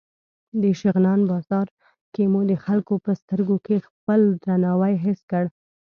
د شغنان بازار کې مو د خلکو په سترګو کې خپل درناوی حس کړ.